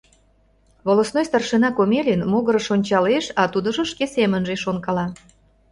Волостной старшина Комелин могырыш ончалеш, а тудыжо шке семынже шонкала.